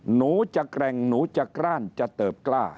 หนูจะแกร่งหนูจะกล้านจะเติบกล้า